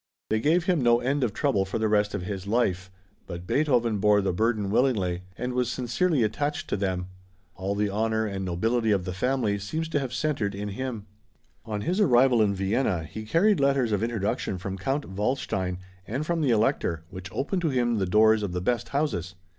They gave him no end of trouble for the rest of his life, but Beethoven bore the burden willingly and was sincerely attached to them. All the honor and nobility of the family seems to have centered in him. On his arrival in Vienna he carried letters of introduction from Count Waldstein and from the Elector, which opened to him the doors of the best houses.